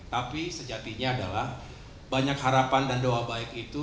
tapi sejatinya adalah banyak harapan dan doa baik itu